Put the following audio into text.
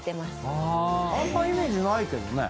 あんまイメージないけどね。